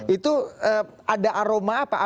itu ada aroma apa